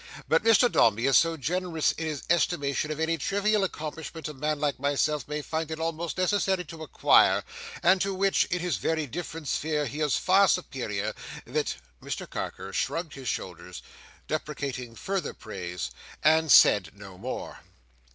But Mr Dombey is so generous in his estimation of any trivial accomplishment a man like myself may find it almost necessary to acquire, and to which, in his very different sphere, he is far superior, that—" Mr Carker shrugged his shoulders, deprecating further praise, and said no more.